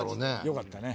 よかったね。